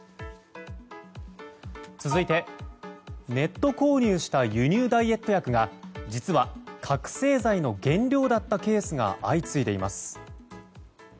続いて、ネット購入した輸入ダイエット薬が実は覚醒剤の原料だったケースが相次いでいます。